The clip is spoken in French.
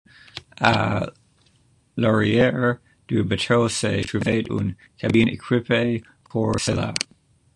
À l'arrière du bateau se trouvait une cabine équipée pour cela.